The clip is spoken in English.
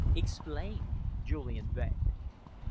"Explain," Julian begged.